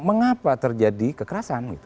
mengapa terjadi kekerasan